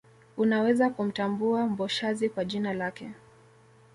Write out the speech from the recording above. Unaweza kumtambua Mboshazi kwa jina lake